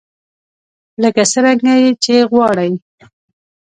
لکه څرنګه يې چې غواړئ.